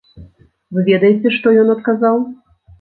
Вы ведаеце, што ён адказаў?